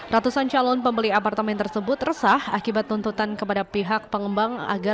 ratusan calon pembeli apartemen tersebut resah akibat tuntutan kepada pihak pengembang